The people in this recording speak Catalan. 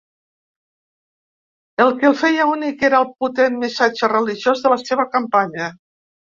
El que el feia únic era el potent missatge religiós de la seva campanya.